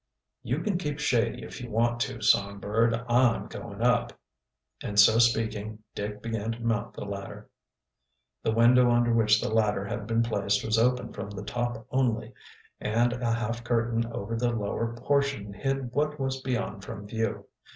"You can keep shady if you want to, Songbird. I'm going up," and so speaking Dick began to mount the ladder. The window under which the ladder had been placed was open from the top only, and a half curtain over the lower portion hid what was beyond from view.